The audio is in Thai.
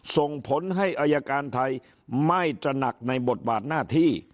ส่งผลให้อายการไทยไม่ตระหนักในบทบาทหน้าที่